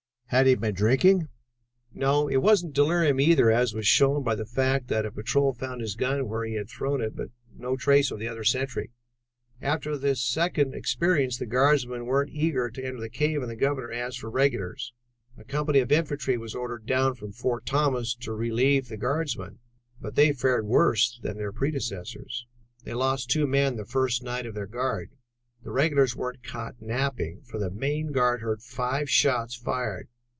"Had he been drinking?" "No. It wasn't delirium either, as was shown by the fact that a patrol found his gun where he had thrown it, but no trace of the other sentry. After this second experience, the guardsmen weren't very eager to enter the cave, and the Governor asked for regulars. A company of infantry was ordered down from Fort Thomas to relieve the guardsmen, but they fared worse than their predecessors. They lost two men the first night of their guard. The regulars weren't caught napping, for the main guard heard five shots fired.